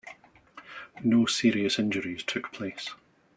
No serious injuries took place.